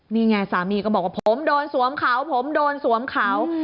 นี่ไงสามีก็บอกว่าผมโดนสวมเขาผมโดนสวมเขา